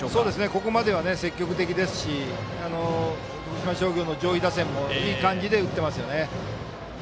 ここまでは積極的ですし徳島商業の上位打線もいい感じで打ってます。